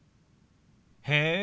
へえ